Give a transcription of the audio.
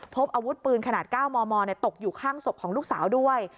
พบอาวุธปืนขนาด๙มมตกอยู่ข้างศพของลูกสาวด้วย